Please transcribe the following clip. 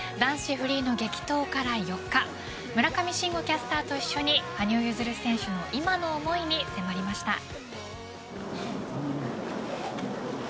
男子フリーの激闘から４日村上信五キャスターと一緒に羽生結弦選手の今の思いに迫りました。